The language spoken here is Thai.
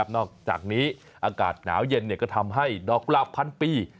นอกจากนี้อากาศหนาวเย็นก็ทำให้ดอกกุหลาบพันปี